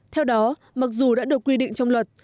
theo đó mặc dù đã được quy định trong luật